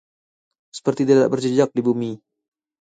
Seperti tidak berjejak di bumi